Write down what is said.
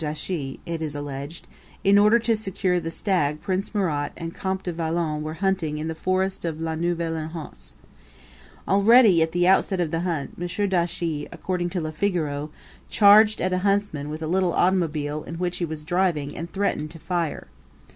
Dauchis, it is alleged, in order to secure the stag Prince Murat and Comte de Valon were hunting in the forest of La Neuville en Hetz. Already, at the outset of the hunt, M. Dauchis, according to Le Figaro, charged at a huntsman with a little automobile in which he was driving and threatened to fire.